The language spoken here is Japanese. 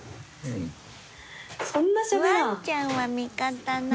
ワンちゃんは味方なの？